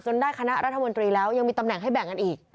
ได้คณะรัฐมนตรีแล้วยังมีตำแหน่งให้แบ่งกันอีก